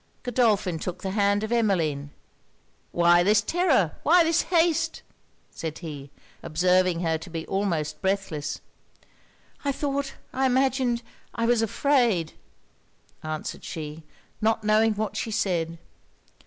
Godolphin took the hand of Emmeline. 'Why this terror? why this haste?' said he, observing her to be almost breathless. 'I thought I imagined I was afraid ' answered she, not knowing what she said.